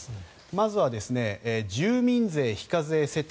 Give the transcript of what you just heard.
まずは住民税非課税世帯